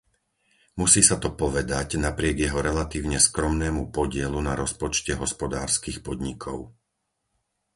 Musí sa to povedať napriek jeho relatívne skromnému podielu na rozpočte hospodárskych podnikov.